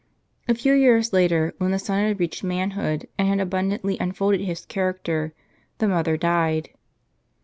A few years later, when the son had reached manhood, and had abundantly unfolded his character, the mother died.